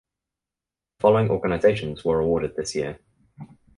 The following organisations were awarded this year.